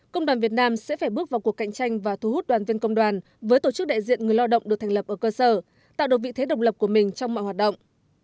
công đoàn việt nam sẽ phải bước vào cuộc cạnh tranh và thu hút đoàn viên công đoàn với tổ chức đại diện người lo động được thành lập ở cơ sở tạo được vị thế độc lập của mình trong mọi hoạt động